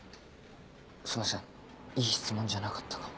すいませんいい質問じゃなかったかも。